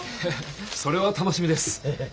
それは楽しみです。